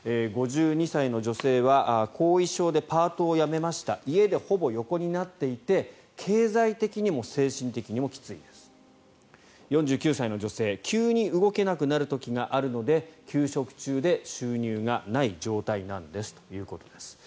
５２歳の女性は後遺症でパートを辞めました家でほぼ横になっていて経済的にも精神的にもきついです４９歳の女性急に動けなくなる時があるので休職中で収入がない状態なんですということです。